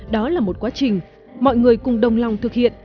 đó là một quá trình mọi người cùng đồng lòng thực hiện